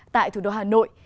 tại thủ đô hà nội